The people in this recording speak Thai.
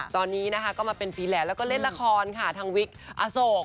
ตอนนี้นะคะก็มาเป็นฟีแลนด์แล้วก็เล่นละครค่ะทางวิกอโศก